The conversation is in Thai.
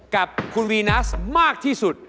กับคุณวีนัสมากที่สุด